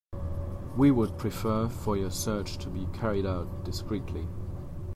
We would prefer for your search to be carried out discreetly.